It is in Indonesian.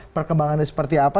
perkembangannya seperti apa